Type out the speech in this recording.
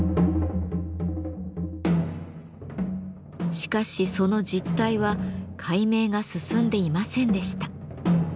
しかしその実態は解明が進んでいませんでした。